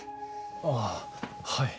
あぁはい。